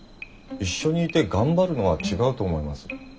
一緒にいて頑張るのは違うと思います。